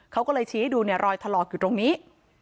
เขาก็เลยชี้ให้ดูเนี่ยรอยถลอกอยู่ตรงนี้